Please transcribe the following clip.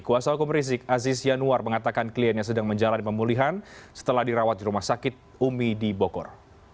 kuasa hukum rizik aziz yanuar mengatakan kliennya sedang menjalani pemulihan setelah dirawat di rumah sakit umi di bogor